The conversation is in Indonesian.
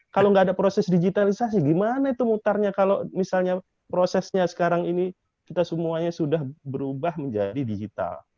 kalau nggak ada proses digitalisasi gimana itu mutarnya kalau misalnya prosesnya sekarang ini kita semuanya sudah berubah menjadi digital